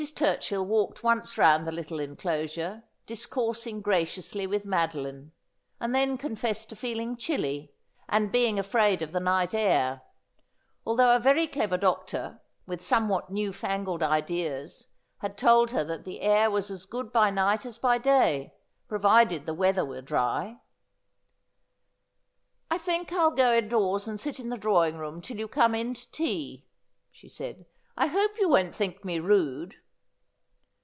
Turchill walked once round the little enclosure, discoursing graciously with Madeline, and then con fessed to feeling chilly, and being afraid of the night air ; al though a very clever doctor, with somewhat new fangled ideas, had told her that the air was as good by night as by day, pro vided the weather were dry. ' I think I'll go indoors and sit in the drawing room till you come in to tea,' she said. ' I hope you won't think me rude.'